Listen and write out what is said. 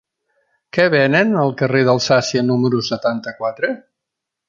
Què venen al carrer d'Alsàcia número setanta-quatre?